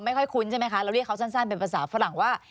คุ้นใช่ไหมคะเราเรียกเขาสั้นเป็นภาษาฝรั่งว่า